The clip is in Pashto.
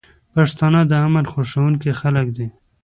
پښتانه د امن خوښونکي خلک دي.